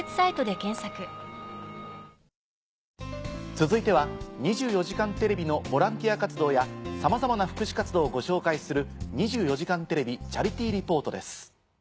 続いては『２４時間テレビ』のボランティア活動やさまざまな福祉活動をご紹介する。